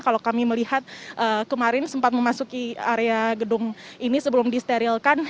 kalau kami melihat kemarin sempat memasuki area gedung ini sebelum disterilkan